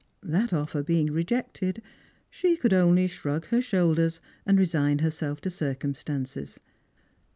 That offer being rejected, she could only shrug her shoulders and resign herself to circumstances.